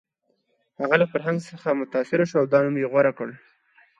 هغه له فرهنګ څخه متاثر شو او دا نوم یې غوره کړ